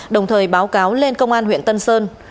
đồng thời báo cáo lên công an huyện tân sơn